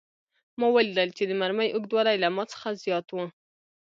ما ولیدل چې د مرمۍ اوږدوالی له ما څخه زیات و